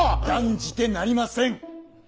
断じてなりません！